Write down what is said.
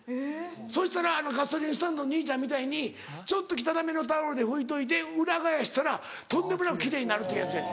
そしたらガソリンスタンドの兄ちゃんみたいにちょっと汚めのタオルで拭いといて裏返したらとんでもなく奇麗になるというやつやねん。